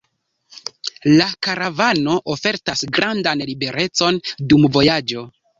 La karavano ofertas grandan liberecon dum vojaĝo.